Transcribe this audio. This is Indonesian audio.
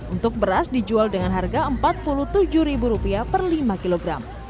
untuk beras dijual dengan harga rp empat puluh tujuh per lima kilogram